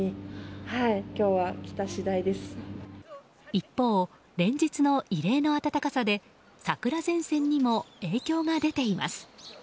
一方、連日の異例の暖かさで桜前線にも影響が出ています。